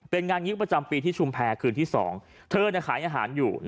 เป็นงานงิกประจำปีที่ชุมแพรคืนที่๒เธอขายอาหารอยู่